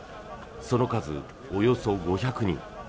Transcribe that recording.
その数およそ５００人。